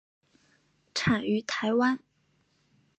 产于台湾。